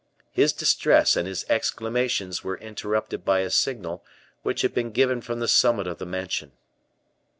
His distress and his exclamations were interrupted by a signal which had been given from the summit of the mansion.